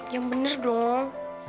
yang bener dong